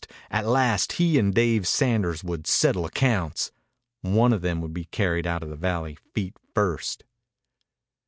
At last he and Dave Sanders would settle accounts. One of them would be carried out of the valley feet first.